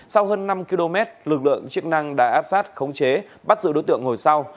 sau hơn năm km lực lượng chức năng đã áp sát khống chế bắt giữ đối tượng ngồi sau